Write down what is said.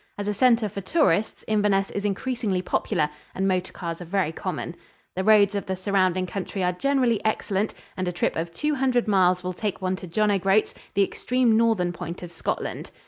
As a center for tourists, Inverness is increasingly popular and motor cars are very common. The roads of the surrounding country are generally excellent, and a trip of two hundred miles will take one to John O'Groats, the extreme northern point of Scotland.